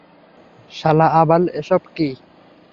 শালা আবাল, এসব কি?